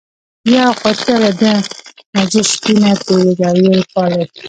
یو خو ته له دې نجس سپي نه تېرېږې او یې پالې.